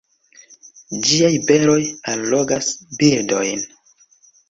Ĝiaj beroj allogas birdojn.